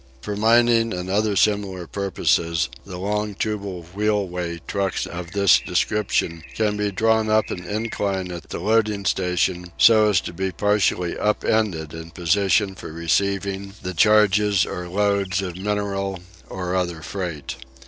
For mining and other similar purposes, the long tubal "wheelway" trucks of this description can be drawn up an incline at the loading station so as to be partially "up ended" in position for receiving the charges or loads of mineral or other freight.